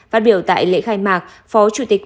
phát biểu tại lễ khai mạc phó chủ tịch